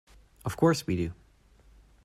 Of course we do.